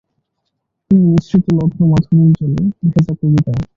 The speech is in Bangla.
তুমি মিশ্রিত লগ্ন মাধুরীর জলে ভেজা কবিতায়।